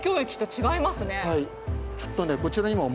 ちょっとこちらにも。